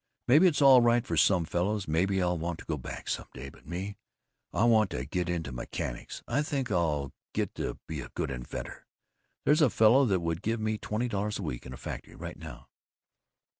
Maybe it's all right for some fellows. Maybe I'll want to go back some day. But me, I want to get into mechanics. I think I'd get to be a good inventor. There's a fellow that would give me twenty dollars a week in a factory right now."